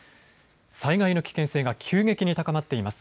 災害の危険性が急激に高まっています。